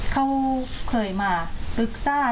เขาเคยมาปรึกษาหรือไงครับ